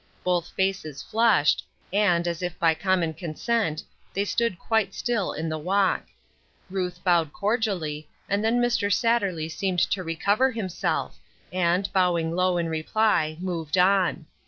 Both faces flushed, and, as if by com mon consent, they stood quite still in the walk. Ruth bowed cordially, and then Mr. Satterley seemed to recover himself, and, bowing low in re ply, moved on.